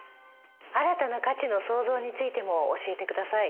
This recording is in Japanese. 「新たな価値の創造」についても教えてください。